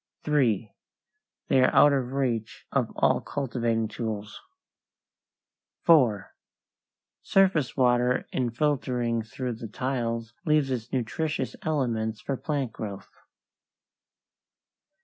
3. They are out of reach of all cultivating tools. 4. Surface water in filtering through the tiles leaves its nutritious elements for plant growth.